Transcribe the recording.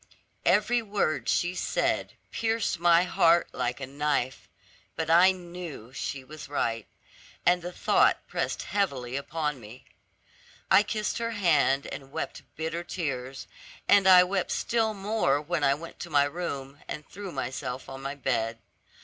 Every word she said pierced my heart like a knife; but I knew she was right, and the thought pressed heavily upon me. I kissed her hand, and wept bitter tears, and I wept still more when I went to my room, and threw myself on the bed.